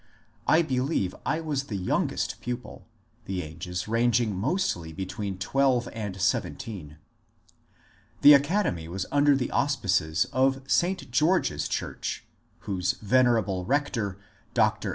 I believe I was the youngest pupil, — the ages ranging mostly between twelve and seven teen. The academy was under the auspices of St. George's church, whose venerable rector. Dr.